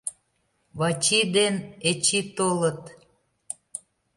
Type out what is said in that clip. Вачи ден Эчи толыт...